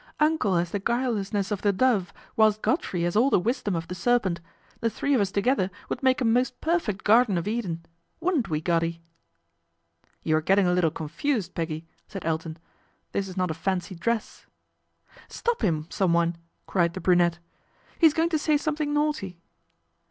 Uncle has the guilelessness of the dove, whilst Godfrey has all the wisdom of the serpent. The three of us together would make a most perfect Garden of Eden. Wouldn't we, Goddy ?"' You are getting a little confused, Peggy," said Elton. ' This is not a fancy dress "" Stop him, someone !" cried the brunette, " he's going to say something naughty."